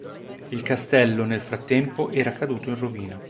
Il castello nel frattempo era caduto in rovina.